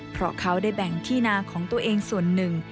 เพราะเขาได้แบ่งที่นาของตัวเองส่วนหนึ่ง